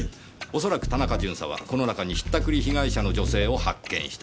恐らく田中巡査はこの中に引ったくり被害者の女性を発見した。